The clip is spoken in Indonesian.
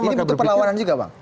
ini butuh perlawanan juga bang